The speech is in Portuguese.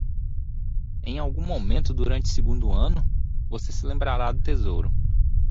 Em algum momento durante o segundo ano?, você se lembrará do tesouro.